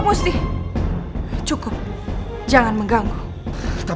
aku tidak akan melawan braga